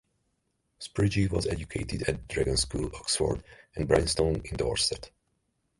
Sprigge was educated at the Dragon School, Oxford, and Bryanston in Dorset.